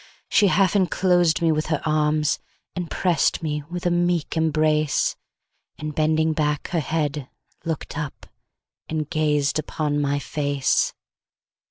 She half enclosed me with her arms, She press'd me with a meek embrace; And bending back her head, look'd up, And gazed upon my face.